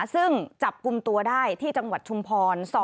ซึ่งจับกลุ่มตัวได้ที่จังหวัดชุมพร